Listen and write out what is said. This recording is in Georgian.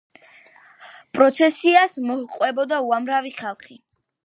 პროცესიას მოჰყვებოდა უამრავი ხალხი.